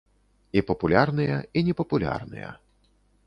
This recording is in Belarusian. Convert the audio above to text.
І папулярныя, і непапулярныя.